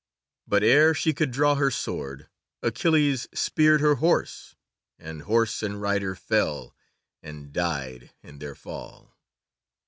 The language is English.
But, ere she could draw her sword, Achilles speared her horse, and horse and rider fell, and died in their fall.